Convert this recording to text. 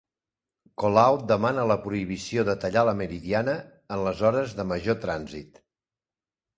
Colau demana la prohibició de tallar la Meridiana en les hores de major trànsit